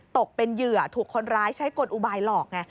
ตกเป็นเหยื่อถูกคนร้ายใช้กลอุบายหลอกไง